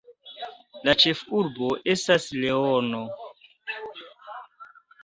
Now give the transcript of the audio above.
La ĉefurbo estas Leono.